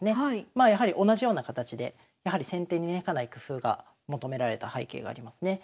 まあやはり同じような形でやはり先手にねかなり工夫が求められた背景がありますね。